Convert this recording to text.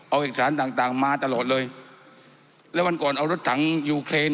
เอาเอกสารต่างต่างมาตลอดเลยแล้ววันก่อนเอารถถังยูเครน